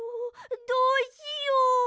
どうしよう！